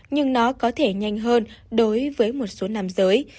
nhưng nó có thể nhanh hơn đối với một số nam giới